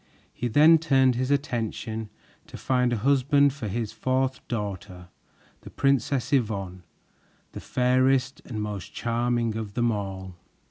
He then turned his attention to find a husband for his fourth daughter, the Princess Yvonne, the fairest and most charming of them all.